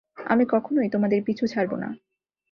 আমি কখনোই তোমাদের পিছু ছাড়ব না।